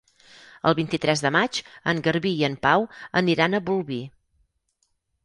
El vint-i-tres de maig en Garbí i en Pau aniran a Bolvir.